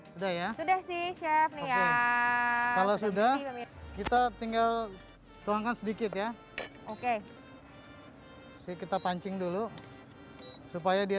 sudah ya sudah si syafia kalau sudah mit kita tinggal cuang sedikit ya oke kita pancing dulu supaya dia